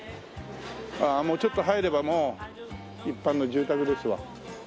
ああもうちょっと入れば一般の住宅ですわ。